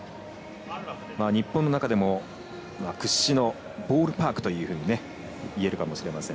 日本の中でも屈指のボールパークと言えるかもしれません。